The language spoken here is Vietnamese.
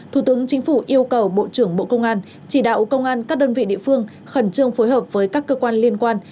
thủ tướng chính phủ yêu cầu bộ trưởng bộ công an chỉ đạo công an các đơn vị địa phương khẩn trương phối hợp với các cơ quan liên quan